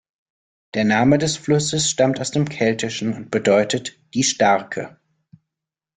Der Name des Flusses stammt aus dem Keltischen und bedeutet "die Starke".